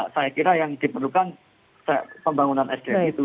saya kira yang diperlukan pembangunan sdm itu